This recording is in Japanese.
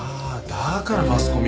だからマスコミが。